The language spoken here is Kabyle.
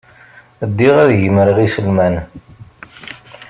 Ddiɣ ad gemreɣ iselman.